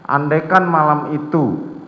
andai kan malam itu